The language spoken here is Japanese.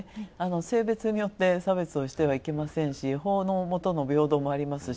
性別によって差別をしてはいけませんし法の下の平等もありますし、